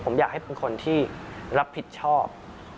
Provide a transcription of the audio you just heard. ผมอยากให้เป็นคนที่รับผิดชอบ